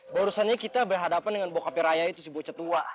barusannya kita berhadapan dengan bokapiraya itu si bocet tua